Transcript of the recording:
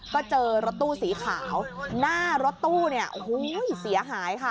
ก็เจอรถตู้สีขาวหน้ารถตู้เนี่ยโอ้โหเสียหายค่ะ